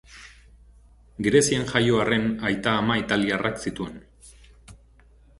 Grezian jaio arren aita-ama italiarrak zituen.